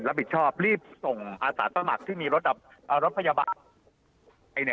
รับบิดชอบรีบส่งอสตาตะมักที่มีรถพยาบาท